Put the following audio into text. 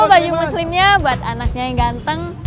oh baju muslimnya buat anaknya yang ganteng